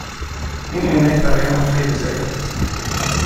این عینک برای من خیلی ضعیف است.